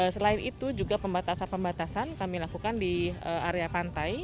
selain itu juga pembatasan pembatasan kami lakukan di area pantai